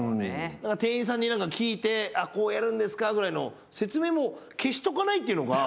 店員さんに何か聞いて「あっこうやるんですか」ぐらいのを説明も消しとかないっていうのが。